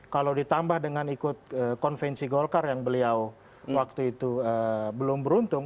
kalau ditambah dengan ikut konvensi golkar yang beliau waktu itu belum beruntung